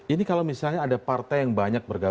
ini kalau misalnya ada partai yang banyaknya